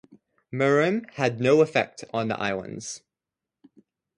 Miriam had no effect on the islands.